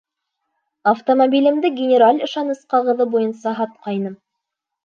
Автомобилемде генераль ышаныс ҡағыҙы буйынса һатҡайным.